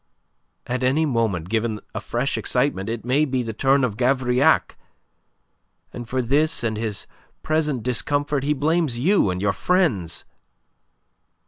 At any moment, given a fresh excitement, it may be the turn of Gavrillac. And for this and his present discomfort he blames you and your friends.